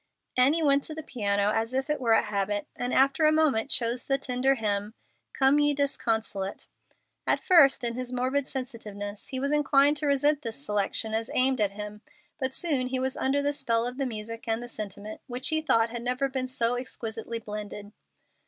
Annie went to the piano as if it were a habit, and after a moment chose the tender hymn "Come, ye disconsolate." At first, in his morbid sensitiveness, he was inclined to resent this selection as aimed at him, but soon he was under the spell of the music and the sentiment, which he thought had never before been so exquisitely blended.